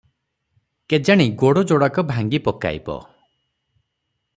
କେଜାଣି ଗୋଡ଼ ଯୋଡ଼ାକ ଭାଙ୍ଗି ପକାଇବ ।